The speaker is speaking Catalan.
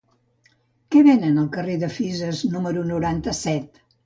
Què venen al carrer de Fisas número noranta-set?